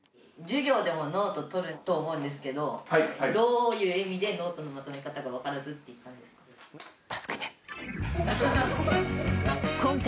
授業でもノートとると思うんですけど、どういう意味で、ノートのまとめ方が分からないって言ったんですか？